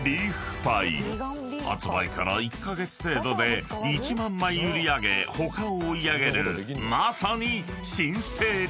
［発売から１カ月程度で１万枚売り上げ他を追い上げるまさに新勢力］